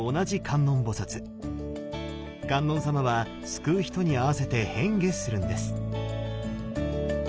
観音様は救う人に合わせて変化するんです。